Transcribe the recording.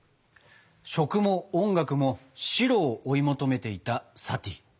食も音楽も「白」を追い求めていたサティ。